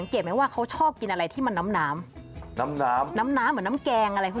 น้ำแซ่งหรือว่าน้ำเต้าหู้